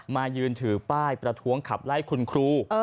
มายืนถือป้ายประท้วงขับไล่คุณครู